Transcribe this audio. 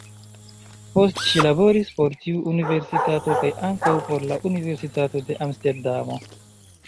Poste ŝi laboris por tiu universitato kaj ankaŭ por la Universitato de Amsterdamo.